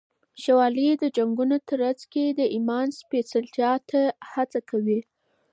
شوالیو د جنگونو په ترڅ کي د ایمان سپېڅلتیا ته هڅه کوي.